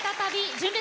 純烈。